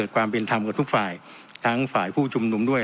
ความเป็นธรรมกับทุกฝ่ายทั้งฝ่ายผู้ชุมนุมด้วย